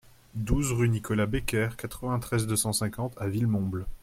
douze rue Nicolas Becker, quatre-vingt-treize, deux cent cinquante à Villemomble